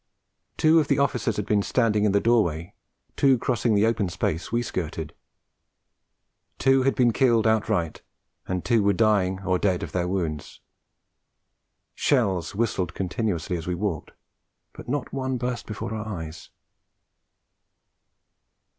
Two of the officers had been standing in the doorway, two crossing the open space we skirted; two had been killed outright, and two were dying or dead of their wounds. Shells whistled continuously as we walked, but not one burst before our eyes.